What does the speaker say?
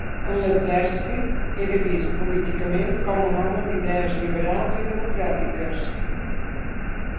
En l’exèrcit era vist políticament com un home d’idees liberals i democràtiques.